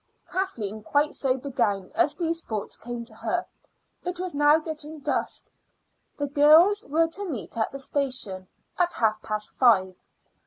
Kathleen quite sobered down as these thoughts came to her. It was now getting dusk. The girls were to meet at the station at half past five.